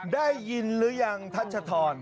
ได้ยินหรือยังทัชธร